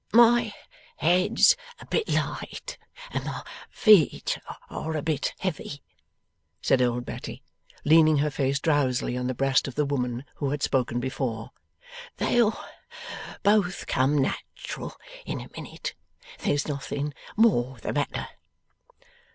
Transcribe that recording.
'My head's a bit light, and my feet are a bit heavy,' said old Betty, leaning her face drowsily on the breast of the woman who had spoken before. 'They'll both come nat'ral in a minute. There's nothing more the matter.